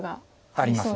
あります。